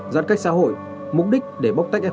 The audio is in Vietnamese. giãn cách xã hội mục đích để bóc tách